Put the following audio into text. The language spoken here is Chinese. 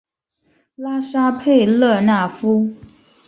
拉沙佩勒纳夫。